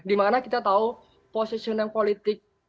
dimana kita tahu positioning politik